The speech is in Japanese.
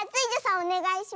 おねがいします！